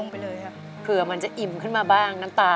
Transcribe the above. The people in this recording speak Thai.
เปลี่ยนเพลงเพลงเก่งของคุณและข้ามผิดได้๑คำ